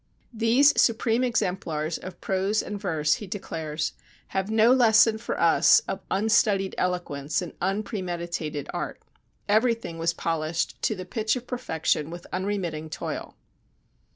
These supreme exemplars of prose and verse, he declares, have no lesson for us of unstudied eloquence and unpremeditated art. Everything was polished to the pitch of perfection with unremitting toil.